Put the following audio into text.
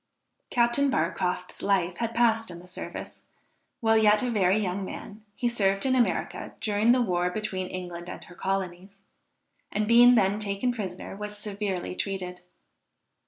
Captain Barcroft's life had passed in the service. While yet a very young man, he served in America during the war between England and her colonies; and being then taken prisoner, was severely treated.